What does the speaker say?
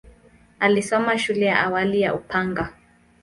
Alisoma shule ya awali ya Upanga.